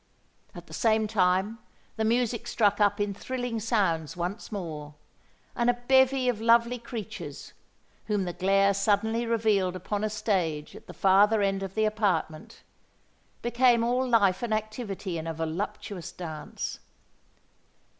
At the same time, the music struck up in thrilling sounds once more; and a bevy of lovely creatures, whom the glare suddenly revealed upon a stage at the farther end of the apartment, became all life and activity in a voluptuous dance.